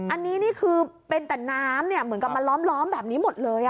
อันนี้นี่คือเป็นแต่น้ำเหมือนกับมาล้อมแบบนี้หมดเลย